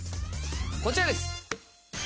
こちらです！